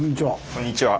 こんにちは。